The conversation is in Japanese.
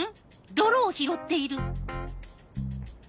どろを拾っている。